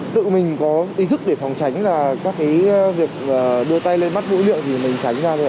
tự mình có ý thức để phòng tránh là các cái việc đưa tay lên mắt bụi lượng thì mình tránh ra thôi ạ